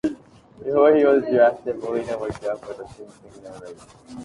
Before he was drafted, Molina worked out for the Cincinnati Reds.